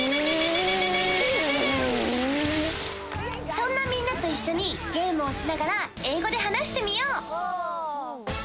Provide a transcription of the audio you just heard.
そんなみんなといっしょにゲームをしながらえいごではなしてみよう！